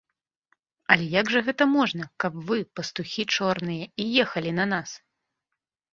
Але як жа гэта можна, каб вы, пастухі чорныя, і ехалі на нас?